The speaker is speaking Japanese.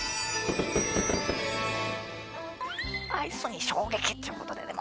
アイスに衝撃ってことでね